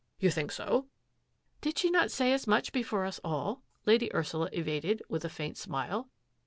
" You t " Did she not say as much before us Ursula evaded, with a faint smile.